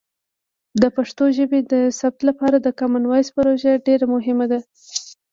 د پښتو ژبې د ثبت لپاره د کامن وایس پروژه ډیر مهمه ده.